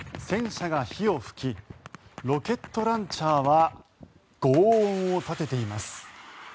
戦車が火を噴きロケットランチャーはごう音を立てています。